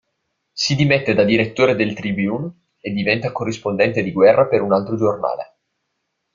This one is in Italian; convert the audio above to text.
Si dimette da direttore del Tribune e diventa corrispondente di guerra per un altro giornale.